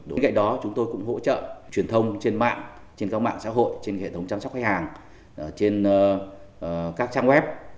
bên cạnh đó chúng tôi cũng hỗ trợ truyền thông trên mạng trên các mạng xã hội trên hệ thống chăm sóc khách hàng trên các trang web